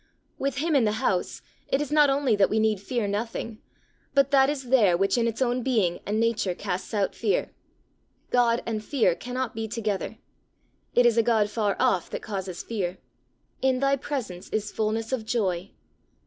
With him in the house, it is not only that we need fear nothing, but that is there which in its own being and nature casts out fear. God and fear cannot be together. It is a God far off that causes fear. "In thy presence is fulness of joy."